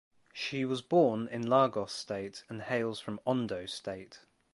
She was born in Lagos State and hails from Ondo State.